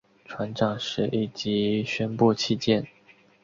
船长随即宣布弃舰。